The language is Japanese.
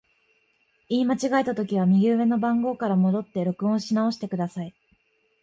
言い間違えたときは、右上の番号から戻って録音し直してください。